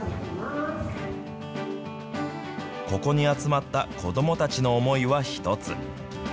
ここに集まった子どもたちの思いは一つ。